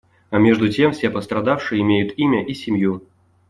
А между тем все пострадавшие имеют имя и семью.